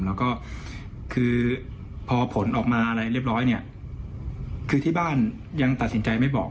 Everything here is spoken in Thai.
แล้วก็คือพอผลออกมาอะไรเรียบร้อยเนี่ยคือที่บ้านยังตัดสินใจไม่บอก